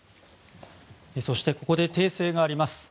そしてここで訂正があります。